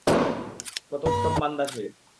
কত উত্তম বান্দা সে!